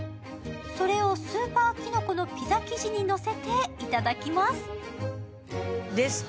それをスーパーキノコのピザ生地にのせていただきます。